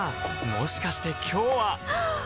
もしかして今日ははっ！